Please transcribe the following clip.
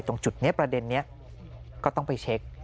ตรงจุดนี้ประเด็นนี้ก็ต้องไปเช็ค